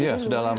ya sudah lama